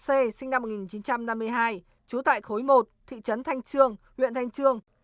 c sinh năm một nghìn chín trăm năm mươi hai trú tại khối một thị trấn thanh trương huyện thanh trương